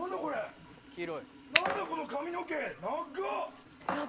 何だこの髪の毛なっが！